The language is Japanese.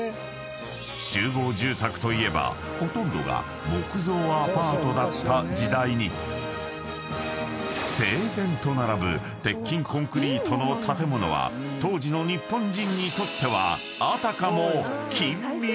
［集合住宅といえばほとんどが木造アパートだった時代に整然と並ぶ鉄筋コンクリートの建物は当時の日本人にとってはあたかも］